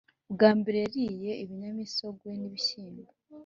bwa mbere yariye ibinyamisogwe n'ibishyimbo